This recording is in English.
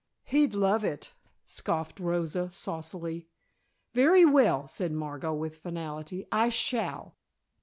"He'd love it," scoffed Rosa, saucily. "Very well," said Margot with finality, "I shall."